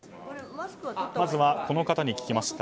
まずは、この方に聞きました。